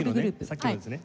さっきのやつね。